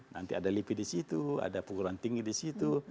nanti ada lipi di situ ada perguruan tinggi di situ